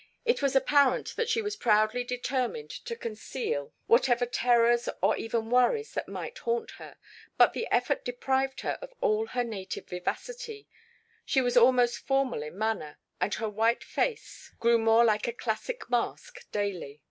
It was apparent that she was proudly determined to conceal whatever terrors or even worries that might haunt her, but the effort deprived her of all her native vivacity; she was almost formal in manner and her white face grew more like a classic mask daily.